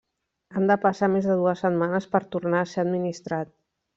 Han de passar més de dues setmanes per tornar a ser administrat.